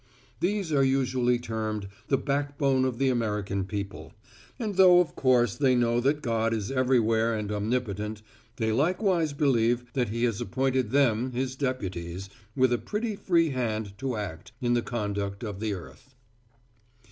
These are usually termed "the backbone of the American people," and though of course they know that God is everywhere and omnipotent, they likewise believe that He has appointed them His deputies, with a pretty free hand to act, in the conduct of the earth.